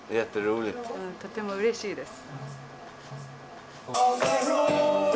とてもうれしいです。